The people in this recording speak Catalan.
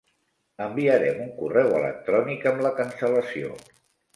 Enviarem un correu electrònic amb la cancel·lació.